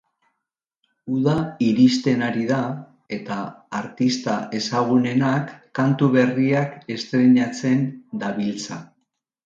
Uda iristen ari da, eta artista ezagunenak kantu berriak estreinatzen dabiltza.